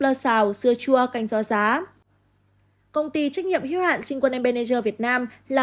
lơ xào dưa chua canh rau giá công ty trách nhiệm hiếu hạn sinh quân embanager việt nam là